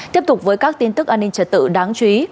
tiếp tục với các tin tức an ninh trật tự đáng chú ý